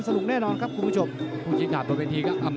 นั่นเป็นรู้รู้เรื่องรอคนอื่นอยู่ที่ดี